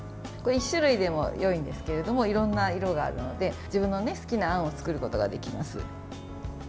１種類でもいいんですけどいろんな色があるので自分の好きなあんを作ることができます。